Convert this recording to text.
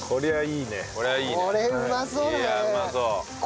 いやうまそう。